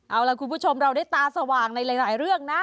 เอาล่ะคุณผู้ชมเราได้ตาสว่างในหลายเรื่องนะ